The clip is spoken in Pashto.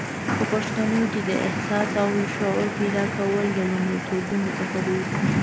په پښتنو کې د احساس او شعور پیدا کول د لومړیتوبونو څخه دی